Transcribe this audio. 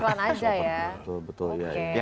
betul betul ya